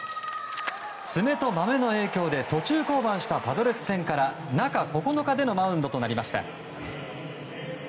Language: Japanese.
爪とマメの影響で途中降板したパドレス戦から中９日でのマウンドとなりました。